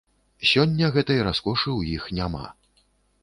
Сёння гэтай раскошы ў іх няма.